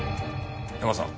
ヤマさん。